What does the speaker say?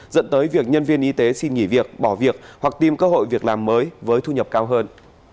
dẫn tới việc nhân viên y tế xin nghỉ việc bỏ việc hoặc tìm cơ hội việc làm mới với thu nhập cao hơn